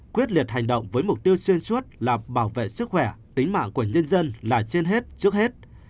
quyết liệt hành động với mục tiêu xuyên suốt là bảo vệ sức khỏe tính mạng của nhân dân là trên hết trước hết